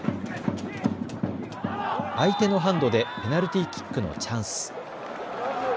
相手のハンドでペナルティーキックのチャンス。